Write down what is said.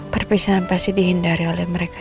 perpisahan pasti dihindari oleh mereka